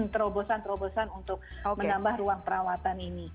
terobosan terobosan untuk menambah ruang perawatan ini